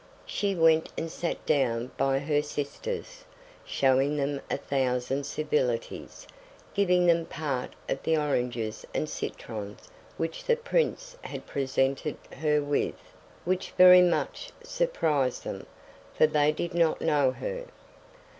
She went and sat down by her sisters, showing them a thousand civilities, giving them part of the oranges and citrons which the Prince had presented her with, which very much surprised them, for they did not know her.